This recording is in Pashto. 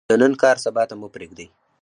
د نن کار سبا ته مه پریږدئ